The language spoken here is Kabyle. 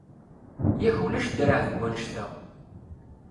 Yak ulac draɛ deg wannect-a!